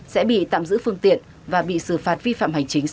sẽ bị tạm giữ phương tiện và bị xử phạt vi phạm hành chính sáu trăm linh đồng